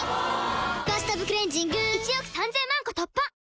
「バスタブクレンジング」１億３０００万個突破！